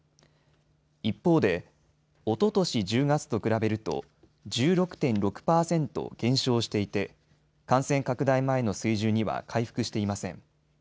一方でおととし１０月と比べると１６．６％減少していて感染拡大前の水準には回復していません。